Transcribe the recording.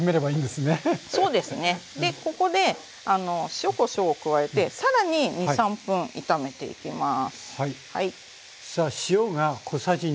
でここで塩こしょうを加えて更に２３分炒めていきます。